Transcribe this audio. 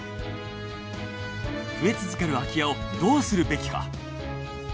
増え続ける空き家をどうするべきか？